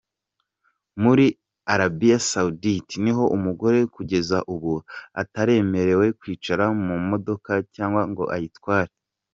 Muri Arabia Saoudite niho umugore kugeza ubu atemerewe kwicara mu modoka ngo ayitware.